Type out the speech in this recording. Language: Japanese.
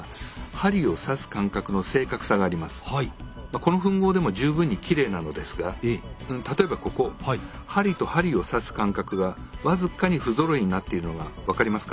この吻合でも十分にきれいなのですが例えばここ針と針を刺す間隔が僅かに不ぞろいになっているのが分かりますか？